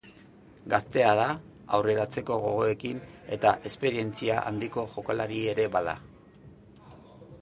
Gaztea da, aurreratzeko gogoekin, eta esperientza handiko jokalari ere bada.